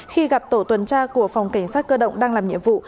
khi gặp tổ tuần tra của phòng cảnh sát cơ động đang làm nhiệm vụ